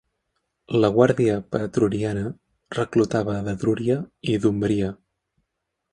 La Guàrdia Pretoriana reclutava d'Etrúria i d'Umbria.